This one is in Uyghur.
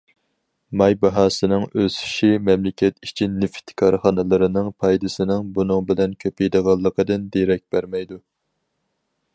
ماي باھاسىنىڭ ئۆسۈشى مەملىكەت ئىچى نېفىت كارخانىلىرىنىڭ پايدىسىنىڭ بۇنىڭ بىلەن كۆپىيىدىغانلىقىدىن دېرەك بەرمەيدۇ.